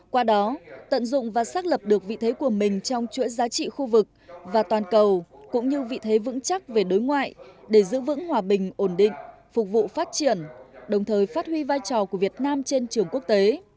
qua đó tận dụng và xác lập được vị thế của mình trong chuỗi giá trị khu vực và toàn cầu cũng như vị thế vững chắc về đối ngoại để giữ vững hòa bình ổn định phục vụ phát triển đồng thời phát huy vai trò của việt nam trên trường quốc tế